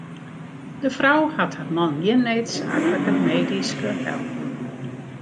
De frou hat har man gjin needsaaklike medyske help jûn.